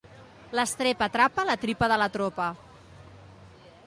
L'estrep atrapa la tripa de la tropa.